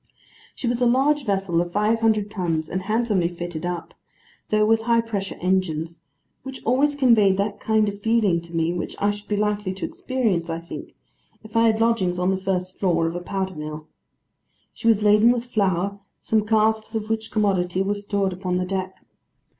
She was a large vessel of five hundred tons, and handsomely fitted up, though with high pressure engines; which always conveyed that kind of feeling to me, which I should be likely to experience, I think, if I had lodgings on the first floor of a powder mill. She was laden with flour, some casks of which commodity were stored upon the deck.